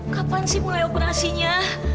kapan sih mulai operasinya